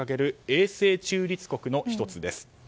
永世中立国の１つです。